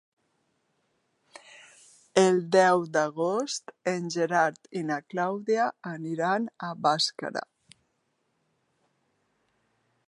El deu d'agost en Gerard i na Clàudia aniran a Bàscara.